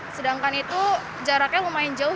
sedangkan itu jaraknya lumayan jauh